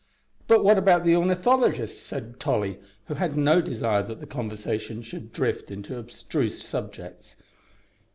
"But what about the ornithologist?" said Tolly, who had no desire that the conversation should drift into abstruse subjects.